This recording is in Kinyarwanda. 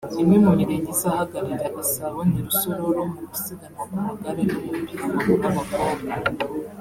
Imwe mu mirenge izahagararira Gasabo ni Rusororo mu gusiganwa ku magare no mu mupira w’amaguru w’abakobwa